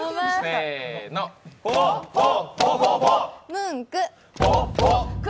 ムンク。